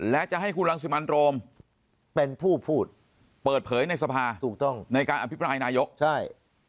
และจะให้คุณรังสิมันโรมเป็นผู้พูดเปิดเผยในสภาถูกต้องในการอภิปรายนายกใช่